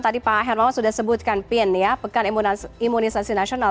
tadi pak hermawan sudah sebutkan pin ya pekan imunisasi nasional